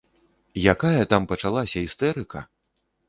Якая там пачалася істэрыка!!!